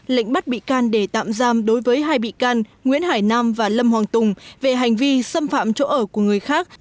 lệnh bắt bị can để tạm giam đối với hai bị can nguyễn hải nam và lâm hoàng tùng về hành vi xâm phạm chỗ ở của người khác